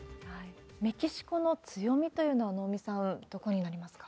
メキシコの強みというのは、能見さん、どこになりますか？